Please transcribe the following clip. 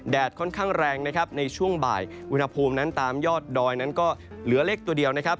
ค่อนข้างแรงนะครับในช่วงบ่ายอุณหภูมินั้นตามยอดดอยนั้นก็เหลือเล็กตัวเดียวนะครับ